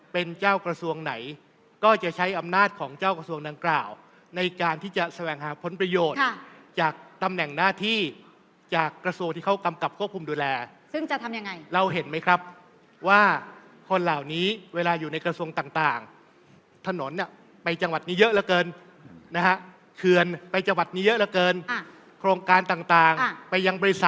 เป็นเจ้ากระทรวงไหนก็จะใช้อำนาจของเจ้ากระทรวงดังกล่าวในการที่จะแสวงหาผลประโยชน์จากตำแหน่งหน้าที่จากกระทรวงที่เขากำกับควบคุมดูแลซึ่งจะทำยังไงเราเห็นไหมครับว่าคนเหล่านี้เวลาอยู่ในกระทรวงต่างถนนไปจังหวัดนี้เยอะเหลือเกินนะฮะเคือนไปจังหวัดนี้เยอะเหลือเกินโครงการต่างไปยังบริษัท